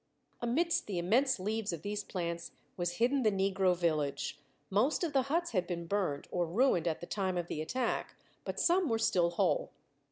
Amidst the immense leaves of these plants was hidden the negro village; most of the huts had been burned or ruined at the time of the attack, but some were still whole.